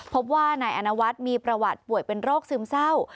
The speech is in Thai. พบว่านายอนวัฒน์มีประวัติป่วยเป็นโรคซึมเศร้า